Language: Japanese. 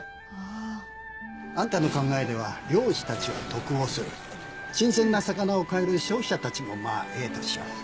あぁ。あんたの考えでは漁師たちは得をする新鮮な魚を買える消費者たちもまぁええとしよう。